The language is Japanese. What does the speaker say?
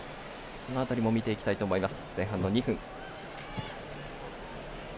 その辺りも見ていきたいと思います。